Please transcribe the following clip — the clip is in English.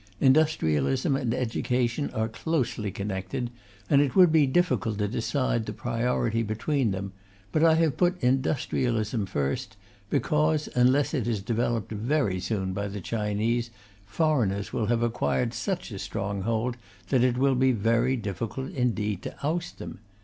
Industrialism and education are closely connected, and it would be difficult to decide the priority between them; but I have put industrialism first, because, unless it is developed very soon by the Chinese, foreigners will have acquired such a strong hold that it will be very difficult indeed to oust them.